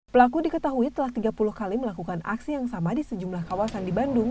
pelaku diketahui telah tiga puluh kali melakukan aksi yang sama di sejumlah kawasan di bandung